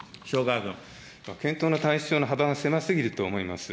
検討の対象の幅が狭すぎると思います。